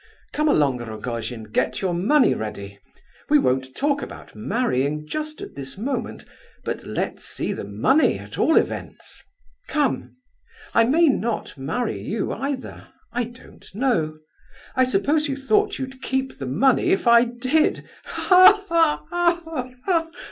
Come along, Rogojin, get your money ready! We won't talk about marrying just at this moment, but let's see the money at all events. Come! I may not marry you, either. I don't know. I suppose you thought you'd keep the money, if I did! Ha, ha, ha!